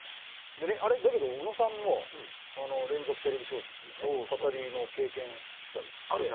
だけど小野さんも連続テレビ小説で語りの経験してたでしょ。